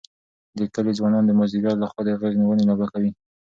د کلي ځوانان د مازدیګر لخوا د غېږ نیونې لوبه کوي.